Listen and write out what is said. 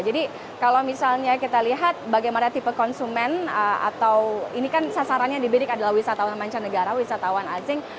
jadi kalau misalnya kita lihat bagaimana tipe konsumen atau ini kan sasarannya di bidik adalah wisatawan mancanegara wisatawan asing